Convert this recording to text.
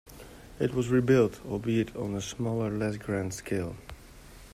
It was rebuilt, albeit on a smaller, less grand scale.